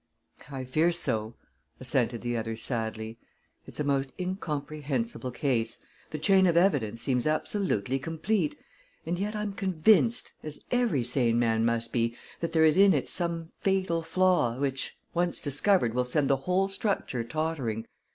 "I fear so," assented the other sadly. "It's a most incomprehensible case. The chain of evidence seems absolutely complete, and yet I'm convinced as every sane man must be that there is in it some fatal flaw, which, once discovered, will send the whole structure tottering.